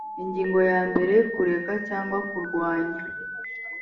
ingingo ya mbere kureka cyangwa kurwanya